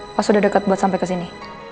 pas sudah dekat buat sampai ke sini